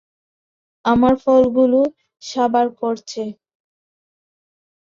আমার ফলগুলো সাবাড় করছে।